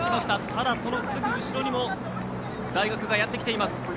ただ、そのすぐ後ろにもやってきています。